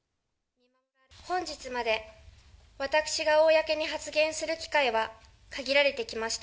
本日まで私が公に発言する機会は限られてきました。